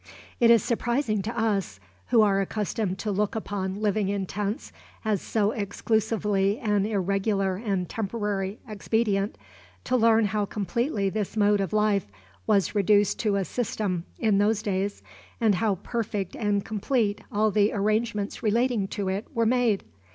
It is surprising to us, who are accustomed to look upon living in tents as so exclusively an irregular and temporary expedient, to learn how completely this mode of life was reduced to a system in those days, and how perfect and complete all the arrangements relating to it were made.